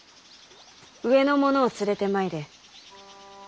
上の者を連れてまいれ。